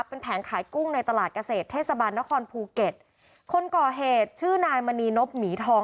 เป็นแผงขายกุ้งในตลาดเกษตรเทศบาลนครภูเก็ตคนก่อเหตุชื่อนายมณีนบหมีทอง